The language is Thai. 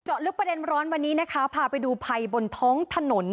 เจาะลูกประเด็นร้อนวันนี้พาไปดูภัยบนท้องถนน